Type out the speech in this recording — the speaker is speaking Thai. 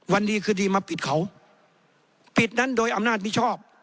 ดีคือดีมาปิดเขาปิดนั้นโดยอำนาจมิชอบ